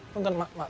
tunggu mak maaf